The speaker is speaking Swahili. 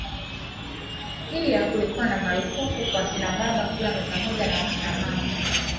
Pia kulikuwa marufuku kwa wakinababa kula meza moja na wakinamama